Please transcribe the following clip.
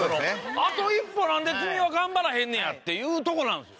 あと一歩なんで君は頑張らへんねやっていうとこなんですよ。